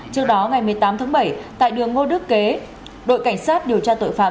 trước đó ngày một mươi tám tháng bảy tại đường ngô đức kế đội cảnh sát điều tra tội phạm